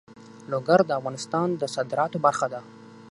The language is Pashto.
لوگر د افغانستان د صادراتو برخه ده.